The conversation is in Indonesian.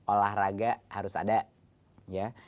olahraga harus ada ya